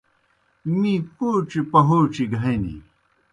می پوڇیْ پہَوڇیْ گہ ہنیْ۔